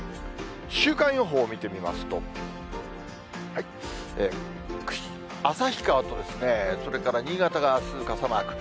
週間予報を見てみますと、旭川と、それから新潟があす傘マーク。